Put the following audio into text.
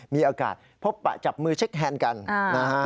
มีโอกาสพบปะจับมือเช็คแฮนด์กันนะฮะ